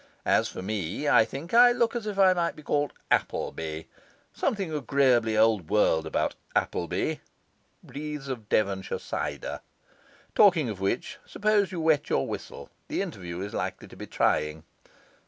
As for me, I think I look as if I might be called Appleby; something agreeably old world about Appleby breathes of Devonshire cider. Talking of which, suppose you wet your whistle? the interview is likely to be trying.